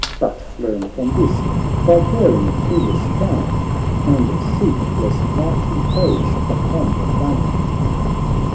But learn from this thy daring to restrain. And seek less mighty foes upon the plain.'